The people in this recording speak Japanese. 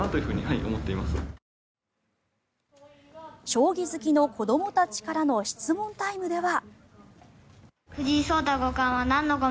将棋好きの子どもたちからの質問タイムでは。